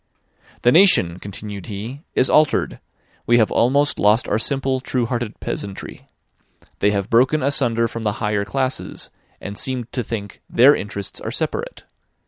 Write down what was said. * See Note D. "The nation," continued he, "is altered; we have almost lost our simple, true hearted peasantry. They have broken asunder from the higher classes, and seem to think their interests are separate.